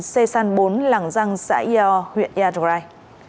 xe san bốn làng răng xã yêu huyện yadurai